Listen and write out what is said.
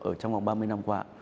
ở trong vòng ba mươi năm qua